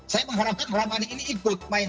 saya mengharapkan ramani ini ikut main